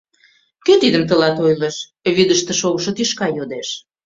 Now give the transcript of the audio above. — Кӧ тидым тылат ойлыш? — вӱдыштӧ шогышо тӱшка йодеш.